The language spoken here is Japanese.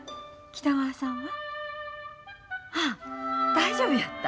ああ大丈夫やった？